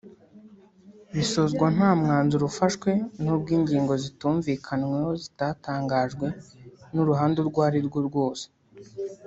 bisozwa nta mwanzuro ufashwe n’ubwo ingingo zitumvikanweho zitatangajwe n’uruhande urwo arirwo rwose